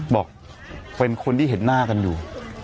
บอกเป็นคนที่เห็นหน้ากันอยู่